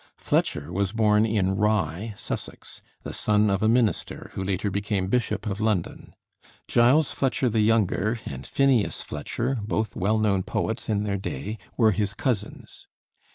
Fletcher was born in Rye, Sussex, the son of a minister who later became Bishop of London. Giles Fletcher the Younger, and Phineas Fletcher, both well known poets in their day, were his cousins.